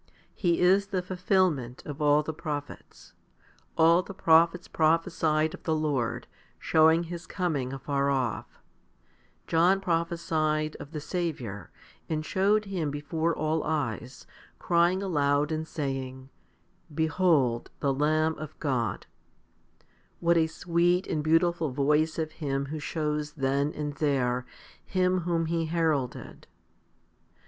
He is the fulfilment of all the prophets. All the prophets prophesied of the Lord, showing His coming afar off: John prophesied of 1 Mai. iv. 2. 2 John i. 29. 3 Matt. xi. n. HOMILY XXVIII 217 the Saviour and showed Him before all eyes, crying aloud and saying, Behold the Lamb of God I x What a sweet and beautiful voice of him who shews then and there Him whom he heralded